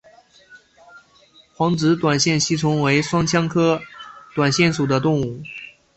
横殖短腺吸虫为双腔科短腺属的动物。